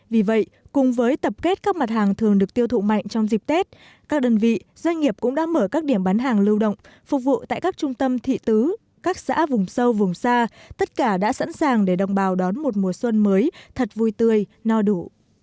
vì vậy cùng với tập kết các mặt hàng thường được tiêu thụ mạnh trong dịp tết các đơn vị doanh nghiệp cũng đã mở các điểm bán hàng lưu động phục vụ tại các trung tâm thị tứ các xã vùng sâu vùng xa tất cả đã sẵn sàng để đồng bào đón một mùa xuân mới thật vui tươi no đủ